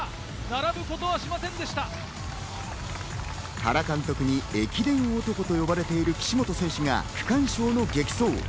原監督に駅伝男と呼ばれている岸本選手が区間賞の激走。